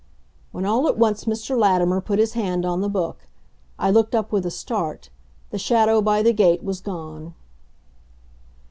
when all at once Mr. Latimer put his hand on the book. I looked up with a start. The shadow by the gate was gone.